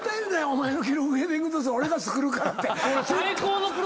お前の着るウェディングドレスは俺が作るからって。